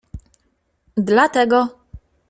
Dlatego.